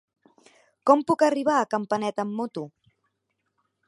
Com puc arribar a Campanet amb moto?